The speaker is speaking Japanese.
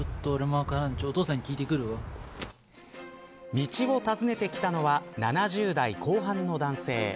道を尋ねてきたのは７０代後半の男性。